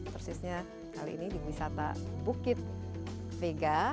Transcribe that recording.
tersisnya kali ini diwisata bukit vega